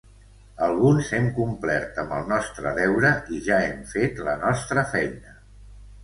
Alguns hem complert amb el nostre deure i ja hem fet la nostra feina.